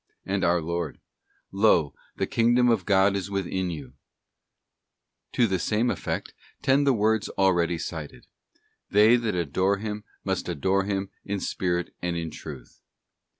'* and our Lord: ' Lo, the kingdom of God is within you;'f to the same effect tend the words already cited: 'They that adore Him must adore Him in spirit and in truth.